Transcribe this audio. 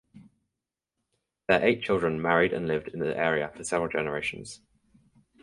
Their eight children married and lived in the area for several generations.